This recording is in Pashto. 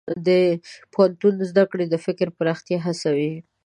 د پوهنتون زده کړه د فکر پراختیا هڅوي.